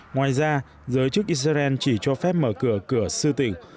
ngoài ra giới chức israel chỉ cho phép mở cửa cửa sư tỉnh